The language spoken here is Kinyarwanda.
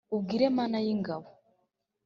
Ubwire Mana y' ingabo,